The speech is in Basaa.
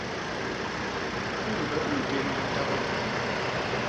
U mbe u ntén litagbege?